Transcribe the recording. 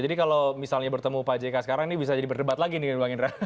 jadi kalau misalnya bertemu pak jk sekarang ini bisa jadi berdebat lagi dengan bang indra